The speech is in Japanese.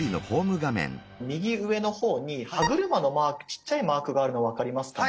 右上の方に歯車のマークちっちゃいマークがあるの分かりますかね？